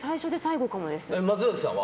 松崎さんは？